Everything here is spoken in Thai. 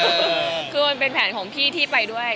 แต่โฮววววววววววววววววคือเป็นแผนของพี่ที่ไปด้วย